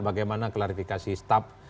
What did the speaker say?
bagaimana klarifikasi staf